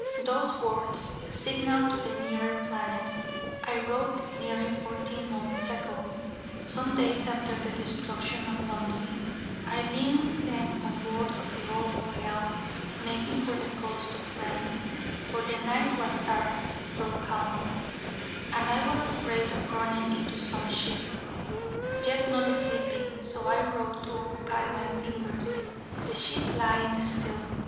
Those words: 'signal to the nearer planets' I wrote nearly fourteen months ago, some days after the destruction of London, I being then on board the old Boreal, making for the coast of France: for the night was dark, though calm, and I was afraid of running into some ship, yet not sleepy, so I wrote to occupy my fingers, the ship lying still.